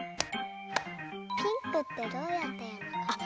ピンクってどうやっていうのかな？